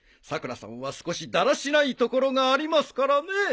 さくらさんは少しだらしないところがありますからね。